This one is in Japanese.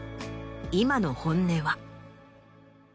今の本音は。